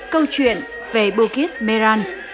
câu chuyện về pukis meran